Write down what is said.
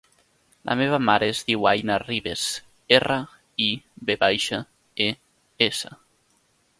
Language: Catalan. La meva mare es diu Aina Rives: erra, i, ve baixa, e, essa.